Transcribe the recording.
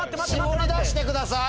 絞り出してください。